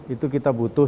itu kita butuh